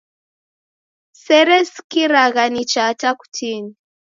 Seresikiragha nicha hata kutini.